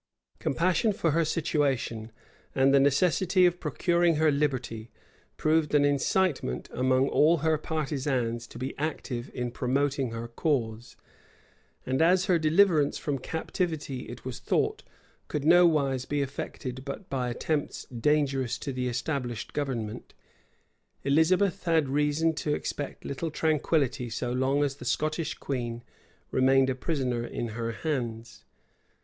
Compassion for her situation, and the necessity of procuring her liberty, proved an incitement among all her partisans to be active in promoting her cause; and as her deliverance from captivity, it was thought, could nowise be effected but by attempts dangerous to the established government, Elizabeth had reason to expect little tranquillity so long as the Scottish queen remained a prisoner in her hands.